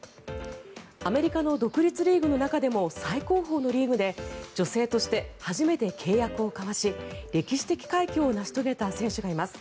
アメリカの独立リーグの中でも最高峰のリーグで女性として初めて契約を交わし歴史的快挙を成し遂げた選手がいます。